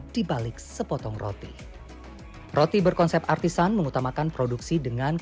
seni seorang baker itu untuk memainkan